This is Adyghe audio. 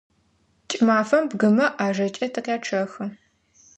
КӀымафэм бгымэ ӀажэкӀэ тыкъячъэхы.